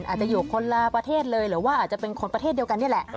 อาจจะอยู่คนละประเทศเลยหรือว่าอาจจะเป็นคนประเทศเดียวกันนี่แหละ